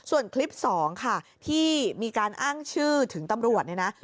ส่วนคลิป๒ค่ะที่มีการอ้างชื่อถึงตำรวจนะ